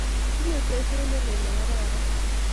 Tinye seset ne lel ne kararan